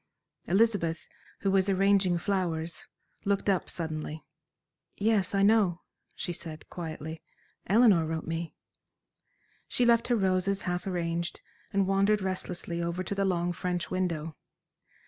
Elizabeth, who was arranging flowers, looked up suddenly. "Yes, I know," she said, quietly, "Eleanor wrote me." She left her roses half arranged, and wandered restlessly over to the long French window.